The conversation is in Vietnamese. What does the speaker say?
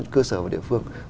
cơ sở và địa phương